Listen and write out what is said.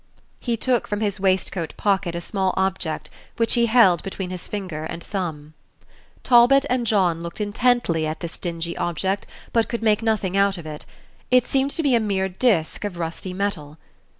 He took from his waistcoat pocket a small object, which he held between his finger and thumb. Talbot and John looked intently at this dingy object, but could make nothing out of it. It seemed to be a mere disk of rusty metal.